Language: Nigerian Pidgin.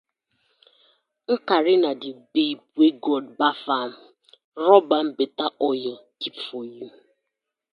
Nkari na di babe wey God baf am rob betta oil keep for yu.